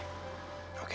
sampai jumpa lagi